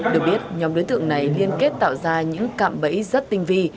được biết nhóm đối tượng này liên kết tạo ra những cạm bẫy rất tinh vi